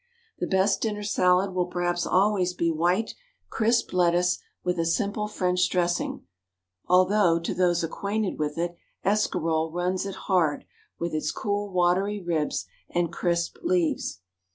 The best dinner salad will perhaps always be white, crisp lettuce, with a simple French dressing, although, to those acquainted with it, escarole runs it hard, with its cool, watery ribs and crisp leaves.